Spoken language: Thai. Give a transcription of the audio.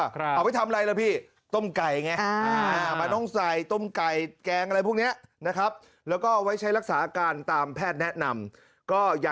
เอาไว้ทำอะไรล่ะพี่ต้มไก่ไงอ่าอ่า